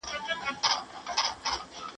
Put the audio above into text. د لویې جرګي مشر ولي بي طرفه وي؟